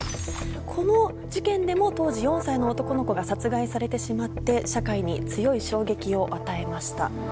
この事件でも当時４歳の男の子が殺害されてしまって社会に強い衝撃を与えました。